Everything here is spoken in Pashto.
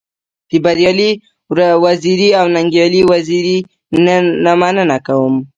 د بريالي وزيري او ننګيالي وزيري نه مننه کوم.